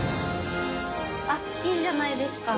あっいいんじゃないですか？